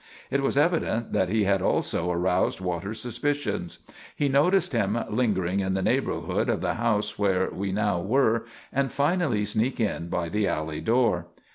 It was evident that he had also aroused Waters' suspicions. He noticed him lingering in the neighbourhood of the house where we now were and finally sneak in by the alley door.